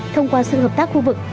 thông qua sự hợp tác khu vực